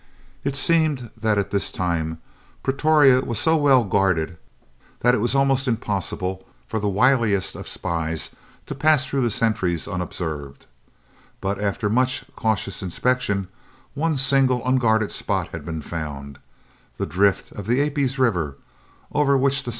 It seemed that at this time Pretoria was so well guarded that it was almost impossible for the wiliest of spies to pass through the sentries unobserved, but, after much cautious inspection, one single unguarded spot had been found, the drift of the Aapies River, over which the S.E.